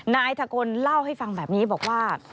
นายกะกลเล่าให้ฟังแบบนี้บอกว่า